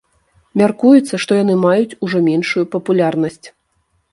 Мяркуецца, што яны маюць ужо меншую папулярнасць.